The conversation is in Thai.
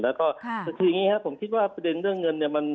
แล้วก็คืออย่างนี้ครับผมคิดว่าประเด็นเรื่องเงินเนี่ย